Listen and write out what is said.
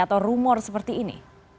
atau rumor seperti ini